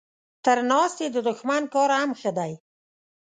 تر ناستي د دښمن کار هم ښه دی.